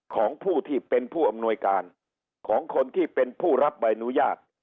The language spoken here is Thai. ของผู้ที่เป็นผู้อำนวยการของคนที่เป็นผู้รับใบอนุญาต